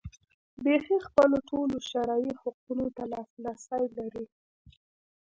ښځې خپلو ټولو شرعي حقونو ته لاسرسی لري.